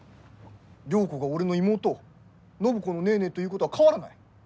良子が俺の妹暢子のネーネーということは変わらない。